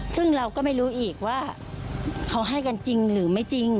ซึ่งเราก็ไม่รู้อีกว่าเขาให้กันจริงหรือไม่จริง